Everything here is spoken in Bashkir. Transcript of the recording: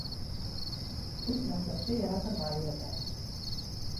Ул мәктәпте яратырға өйрәтә